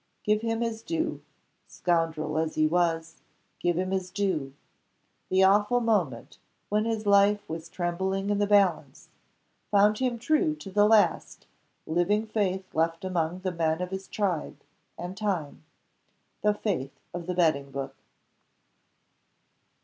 Give him his due. Scoundrel as he was, give him his due. The awful moment, when his life was trembling in the balance, found him true to the last living faith left among the men of his tribe and time the faith of the betting book.